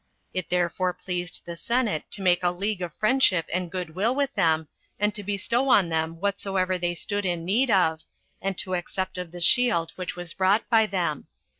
It therefore pleased [the senate] to make a league of friendship and good will with them, and to bestow on them whatsoever they stood in need of, and to accept of the shield which was brought by them.